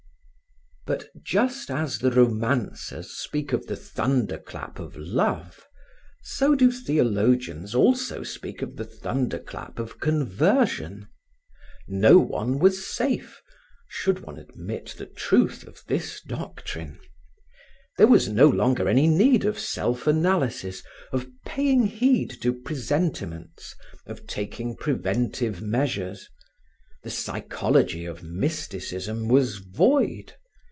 But just as the romancers speak of the thunderclap of love, so do theologians also speak of the thunderclap of conversion. No one was safe, should one admit the truth of this doctrine. There was no longer any need of self analysis, of paying heed to presentiments, of taking preventive measures. The psychology of mysticism was void.